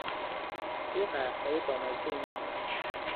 او حرفهای بامزهای میزند.